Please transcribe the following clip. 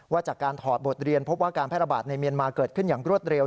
จากการถอดบทเรียนพบว่าการแพร่ระบาดในเมียนมาเกิดขึ้นอย่างรวดเร็ว